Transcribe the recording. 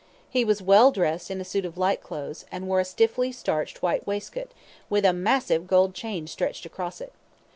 He was well dressed in a suit of light clothes, and wore a stiffly starched white waistcoat, with a massive gold chain stretched across it.